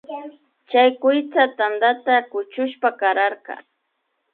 Chay kuytsa tandata kuchushpa kararka